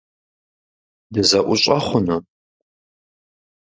Дызэӏущӏэ хъуну?